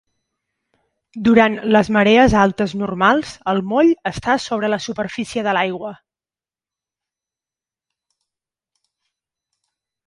Durant les marees altes normals el moll està sobre la superfície de l'aigua.